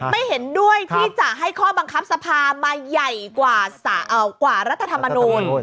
ไม่เห็นด้วยที่จะให้ข้อบังคับสภามาใหญ่กว่ารัฐธรรมนูล